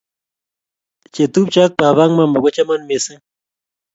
chetupcho ak baba ak mama kochaman mising